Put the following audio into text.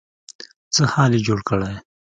څه حال يې جوړ کړی.